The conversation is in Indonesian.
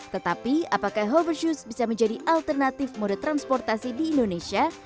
tetapi apakah hover shoes bisa menjadi alternatif mode transportasi di indonesia